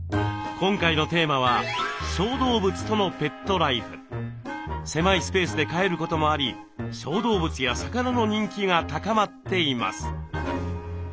今回のテーマは狭いスペースで飼えることもあり小動物や魚の人気が高まっています。